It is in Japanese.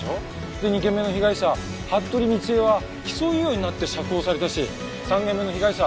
で２件目の被害者服部倫恵は起訴猶予になって釈放されたし３件目の被害者